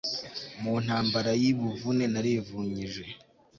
mu ntambara yibuvune narivunyije